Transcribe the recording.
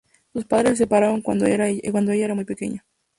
Sus padres se separaron cuando ella era muy pequeña.